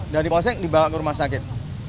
dari bolsek dibawa ke urmasakit